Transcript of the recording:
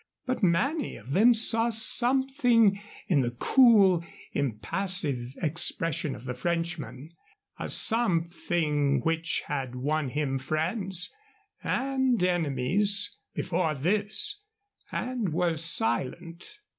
But many of them saw something in the cool, impassive expression of the Frenchman a something which had won him friends (and enemies) before this, and were silent.